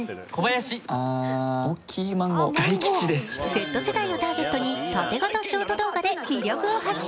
Ｚ世代をターゲットに縦型ショート動画で魅力を発信。